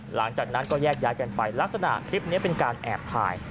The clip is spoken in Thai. หลังจากนั้นก็แยกย้ายกันไปลักษณะคลิปนี้เป็นการแอบถ่าย